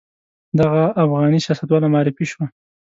دغه افغاني سیاستواله معرفي شوه.